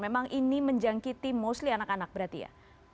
memang ini menjangkiti mostly anak anak berarti ya